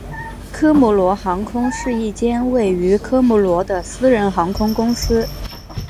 科摩罗航空是一间位于科摩罗的私人航空公司。